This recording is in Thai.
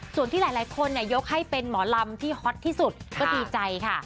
ส่วนที่หลายคนยกให้เป็นหมอลำที่ฮอตที่สุดก็ดีใจค่ะ